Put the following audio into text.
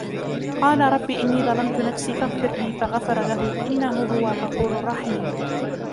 قال رب إني ظلمت نفسي فاغفر لي فغفر له إنه هو الغفور الرحيم